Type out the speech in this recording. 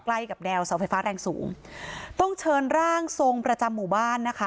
ใกล้กับแนวเสาไฟฟ้าแรงสูงต้องเชิญร่างทรงประจำหมู่บ้านนะคะ